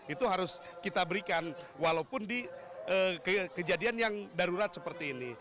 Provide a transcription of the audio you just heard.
itu harus kita berikan walaupun di kejadian yang darurat seperti ini